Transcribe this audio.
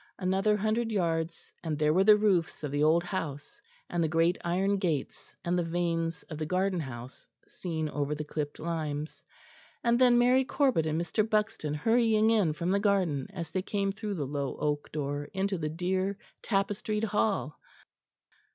Another hundred yards, and there were the roofs of the old house, and the great iron gates, and the vanes of the garden house seen over the clipped limes; and then Mary Corbet and Mr. Buxton hurrying in from the garden, as they came through the low oak door, into the dear tapestried hall.